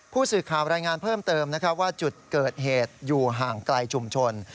ผู้สื่อข่าวรายงานเพิ่มเติมนะครับว่าจุดเกิดเหตุอยู่ห่างไกลชุมชน